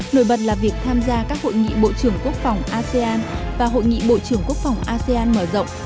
nổi bật là việc tham gia các hội nghị bộ trưởng quốc phòng asean và hội nghị bộ trưởng quốc phòng asean mở rộng